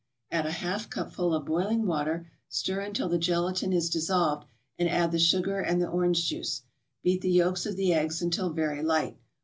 Add a half cupful of boiling water, stir until the gelatin is dissolved, and add the sugar and the orange juice. Beat the yolks of the eggs until very light.